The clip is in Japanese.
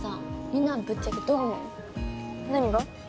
みんなはぶっちゃけどう思う？何が？